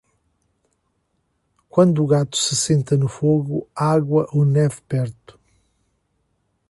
Quando o gato se senta no fogo, água ou neve perto.